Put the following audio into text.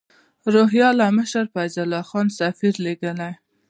روهیله مشر فیض الله خان سفیر لېږلی.